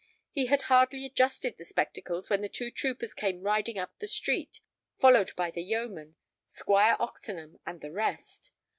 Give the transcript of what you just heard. He had hardly adjusted the spectacles when the two troopers came riding up the street, followed by the yeomen, Squire Oxenham, and the rest.